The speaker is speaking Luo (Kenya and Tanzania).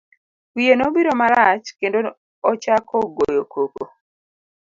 Wiye nobiro marach, kendo ochako goyo koko.